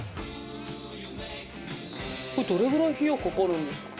これどれぐらい費用かかるんですか？